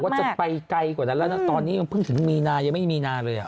เขาบอกว่าจะไปไกลกว่านั้นแล้วตอนนี้มันเพิ่งถึงมีนายังไม่มีนาเลย